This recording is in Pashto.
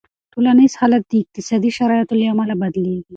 ټولنیز حالت د اقتصادي شرایطو له امله بدلېږي.